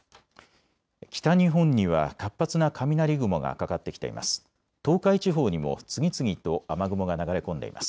北日本には活発な雷雲がかかってきています。